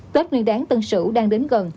tết nguyên đáng tân sửu đang đến gần